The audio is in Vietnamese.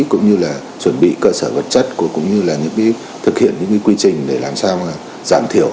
cũng như là chuẩn bị cơ sở vật chất cũng như là những thực hiện những quy trình để làm sao giảm thiểu